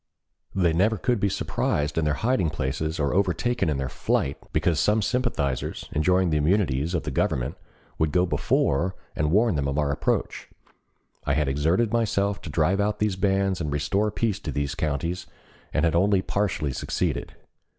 They never could be surprised in their hiding places or overtaken in their flight, because some sympathizers, enjoying the immunities of the Government, would go before and warn them of our approach. I had exerted myself to drive out these bands and restore peace to these counties and had only partially succeeded.